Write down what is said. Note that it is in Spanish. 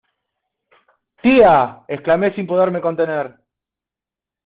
¡Tía! exclamé sin poderme contener.